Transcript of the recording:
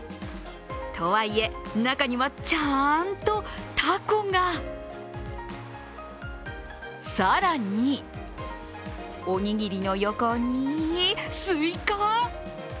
とはいえ、中にはちゃんと、たこが更に、おにぎりの横に、すいか？